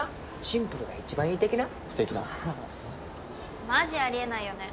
シンプルが一番いい的な？的なマジありえないよね